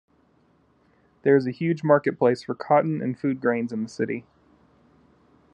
There is a huge market place for cotton and food grains in the city.